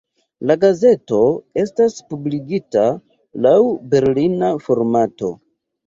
La gazeto estas publikigita laŭ berlina formato.